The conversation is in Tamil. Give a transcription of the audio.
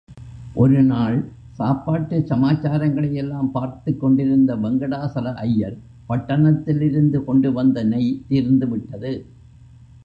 ஒரு நாள் சாப்பாட்டு சமாச்சாரங்களையெல்லாம் பார்த்துக்கொண்டிருந்த வெங்கடாசல ஐயர், பட்டணத்திலிருந்து கொண்டுச் வந்த நெய் தீர்ந்து விட்டது.